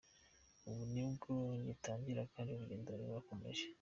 Ubu nibwo ngitangira kandi urugendo rurakomeje.